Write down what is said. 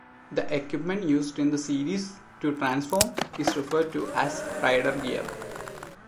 The equipment used in the series to transform is referred to as Rider Gear.